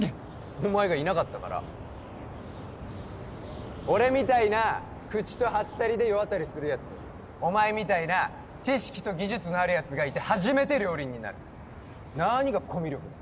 お前がいなかったから俺みたいな口とハッタリで世渡りするやつお前みたいな知識と技術のあるやつがいて初めて両輪になる何がコミュ力だ